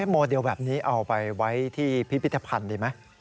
โมเดลแบบนี้เอาไปไว้ที่พิพิธภัณฑ์ดีไหม